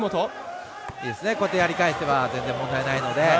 こうやってやり返せば問題ないので。